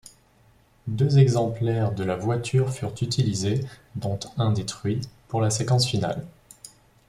Deux exemplaires de la voiture furent utilisés, dont un détruit, pour la séquence finale.